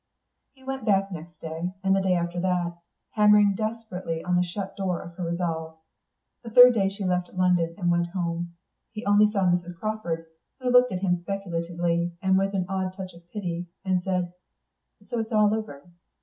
He went back next day, and the day after that, hammering desperately on the shut door of her resolve. The third day she left London and went home. He only saw Mrs. Crawford, who looked at him speculatively and with an odd touch of pity, and said, "So it's all over.